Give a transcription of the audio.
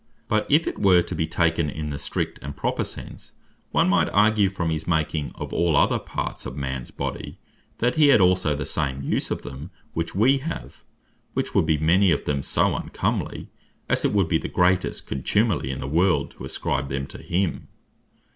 But if it were to be taken in the strict, and proper sense, one might argue from his making of all parts of mans body, that he had also the same use of them which we have; which would be many of them so uncomely, as it would be the greatest contumely in the world to ascribe them to him.